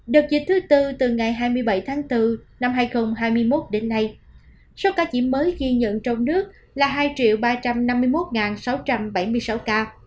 đợt dịch thứ tư từ ngày hai mươi bảy tháng bốn năm hai nghìn hai mươi một đến nay số ca nhiễm mới ghi nhận trong nước là hai ba trăm năm mươi một sáu trăm bảy mươi sáu ca